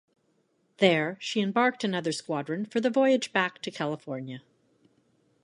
There, she embarked another squadron for the voyage back to California.